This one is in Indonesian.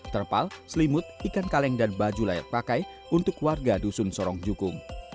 terpal selimut ikan kaleng dan baju layak pakai untuk warga dusun sorong jukung